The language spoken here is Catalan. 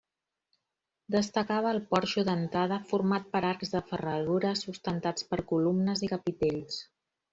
Destacava el porxo d'entrada format per arcs de ferradura sustentats per columnes i capitells.